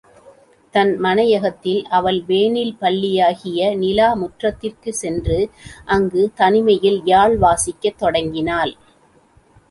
தன் மனையகத்தில் அவள் வேனிற் பள்ளியாகிய நிலா முற்றத்திற்குச் சென்று அங்குத் தனிமையில் யாழ் வாசிக்கத் தொடங்கினாள்.